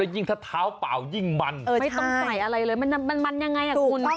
แล้วยิ่งถ้าเท้าเปล่ายิ่งมันไม่ต้องไกลอะไรเลยมันใหนยังไงอะ